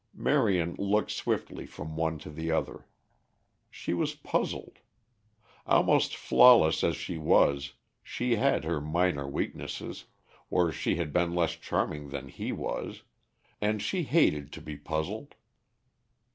Marion looked swiftly from one to the other. She was puzzled. Almost flawless as she was, she had her minor weaknesses, or she had been less charming than he was, and she hated to be puzzled.